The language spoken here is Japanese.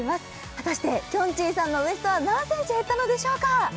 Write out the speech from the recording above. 果たしてきょんちぃさんのウエストは何センチ減ったのでしょうか？